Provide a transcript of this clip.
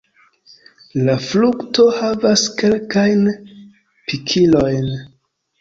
La frukto havas kelkajn pikilojn.